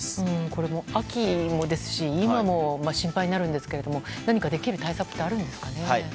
これ、秋もですし今も心配になるんですが何かできる対策ってあるんですかね。